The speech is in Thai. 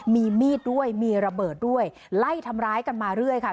มีมีดด้วยมีระเบิดด้วยไล่ทำร้ายกันมาเรื่อยค่ะ